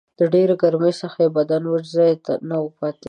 د ډېرې ګرمۍ څخه یې پر بدن وچ ځای نه و پاته